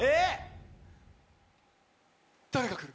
誰が来る！